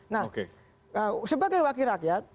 nah sebagai wakil rakyat